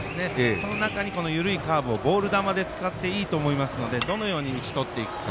その中に緩いカーブをボール球で使っていいと思いますのでどのように打ち取っていくか。